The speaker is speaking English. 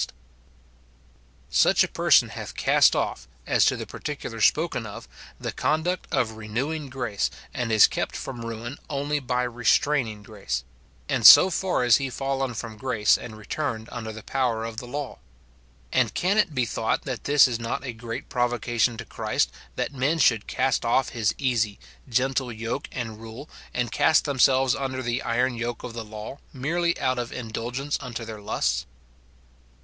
* Gen. xxxix. 9. .12 Cor. v. 14. 228 MORTIFICATION OF Such a person hath cast off, as to the particular spoken of, the conduct of renewing grace, and is kept from ruin only by restrainmg grace ; and so far is he fallen from grace, and returned under the power of the law. And can it he thought that this is not a great provocation to Christ, that men should cast off his easy, gentle yoke and rule, and cast themselves under the iron yoke of the law, merely out of indulgence unto their lusts